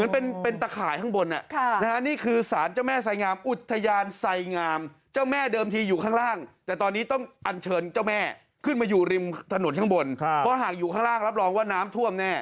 ถนนข้างบนครับเพราะหากอยู่ข้างล่างรับรองว่าน้ำท่วมแน่